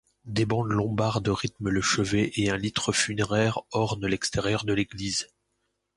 Des bandes lombardes rythment le chevet et un litre funéraire orne l'extérieur de l'église.